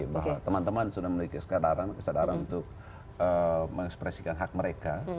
bahwa teman teman sudah memiliki kesadaran untuk mengekspresikan hak mereka